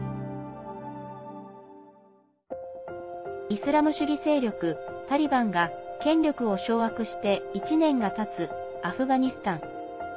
イスラム主義勢力タリバンが権力を掌握して１年がたつ、アフガニスタン。